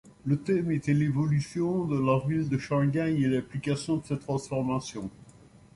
Le thème était l'évolution de la ville de Shanghai et l'implication de ces transformations.